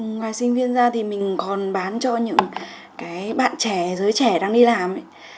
ngoài sinh viên ra thì mình còn bán cho những cái bạn trẻ giới trẻ đang đi làm